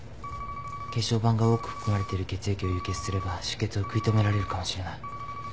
血小板が多く含まれてる血液を輸血すれば出血を食い止められるかもしれない。